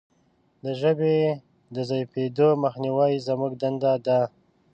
د ژبې د ضعیفیدو مخنیوی زموږ دنده ده.